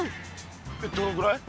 どのぐらい？